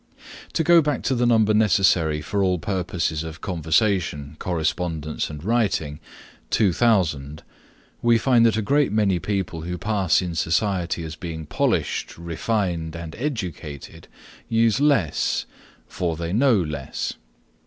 To go back to the number necessary for all purposes of conversation correspondence and writing, 2,000, we find that a great many people who pass in society as being polished, refined and educated use less, for they know less.